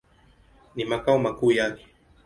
Ni makao makuu yake.